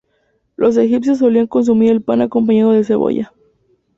Los egipcios solían consumir el pan acompañado de cebolla.